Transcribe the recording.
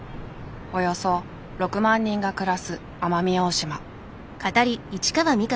およそ６万人が暮らす奄美大島。